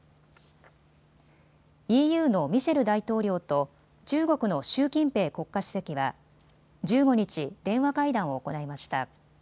ＥＵのミシェル大統領と中国の習近平国家主席は１５日、電話会談を行いました。